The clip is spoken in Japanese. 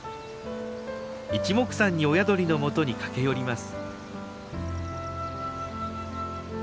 いちもくさんに親鳥のもとに駆け寄ります。